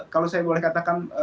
kalau saya boleh katakan